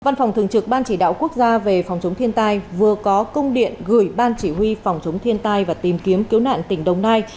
văn phòng thường trực ban chỉ đạo quốc gia về phòng chống thiên tai vừa có công điện gửi ban chỉ huy phòng chống thiên tai và tìm kiếm cứu nạn tỉnh đồng nai